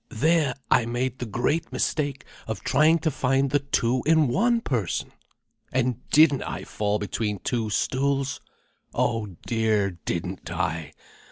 There I made the great mistake of trying to find the two in one person! And didn't I fall between two stools! Oh dear, didn't I?